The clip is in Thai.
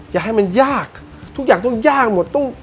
อย่าให้มันยากทุกอย่างต้องยากหมด